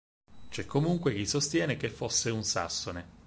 C'è comunque chi sostiene che fosse un sassone.